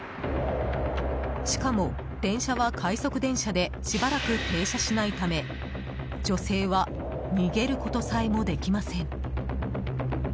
しかも、電車は快速電車でしばらく停車しないため女性は逃げることさえもできません。